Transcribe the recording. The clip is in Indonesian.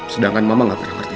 sedangkan mama nggak pernah ngerti